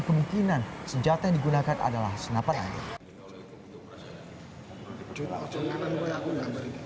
kemungkinan senjata yang digunakan adalah senapan lain